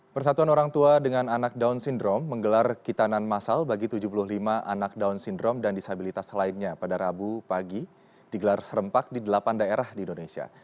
persatuan orang tua dengan anak down syndrome menggelar kitanan masal bagi tujuh puluh lima anak down syndrome dan disabilitas lainnya pada rabu pagi digelar serempak di delapan daerah di indonesia